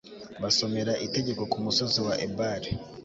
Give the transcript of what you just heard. basomera itegeko ku musozi wa ebali